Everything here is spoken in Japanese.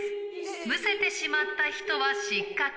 むせてしまった人は失格。